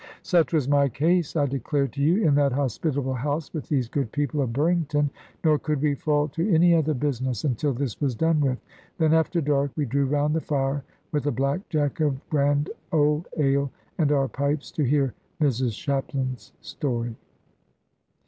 Such was my case, I declare to you, in that hospitable house with these good people of Burrington; nor could we fall to any other business, until this was done with; then after dark we drew round the fire, with a black jack of grand old ale, and our pipes, to hear Mrs Shapland's story.